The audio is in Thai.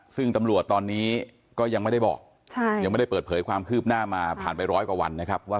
ซึ่งตำรวจตอนนี้ก็ยังไม่ได้บอกยังไม่ได้เปิดเผยความคืบหน้ามาผ่านไปร้อยกว่าวันนะครับว่า